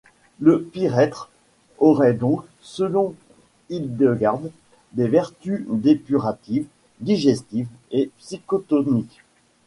Le pyrèthre aurait donc, selon Hildegarde, des vertus dépuratives, digestives et psychotoniques.